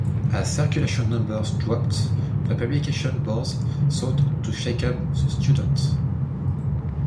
As circulation numbers dropped, the publications board sought to shake up the Student.